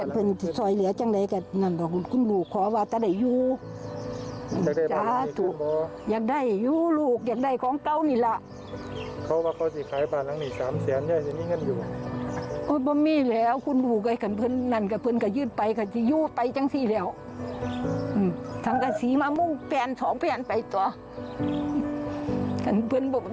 ปรากฏว่าผ่อนชำระไหวคือทรัพย์สมบัติชิ้นสุดท้ายของชีวิตของคุณยาย